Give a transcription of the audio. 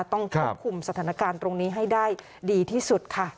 ต้องควบคุมสถานการณ์ตรงนี้ให้ได้ดีที่สุดค่ะ